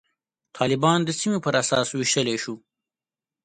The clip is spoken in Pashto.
طالبان د سیمې پر اساس ویشلای شو.